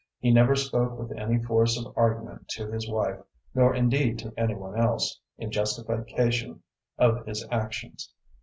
He never spoke with any force of argument to his wife, nor indeed to any one else, in justification of his actions.